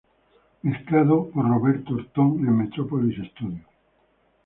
Mezclada por Robert Orton en Metropolis Studios.